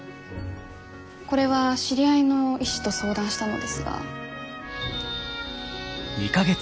これは知り合いの医師と相談したのですが。